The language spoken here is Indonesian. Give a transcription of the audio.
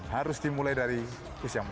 harus dimulai dari usia muda